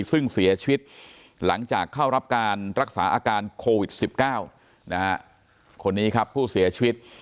ซึ่งเสียชีวิตหลังจากเข้ารับการรักษาอาการโควิด๑๙คนนี้ครับผู้เสียชีวิต